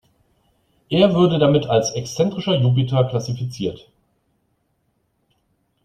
Er würde damit als „Exzentrischer Jupiter“ klassifiziert.